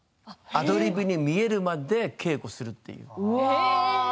アドリブに見えるまで稽古をするという。